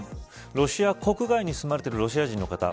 ロシア国外に住まれているロシア人の方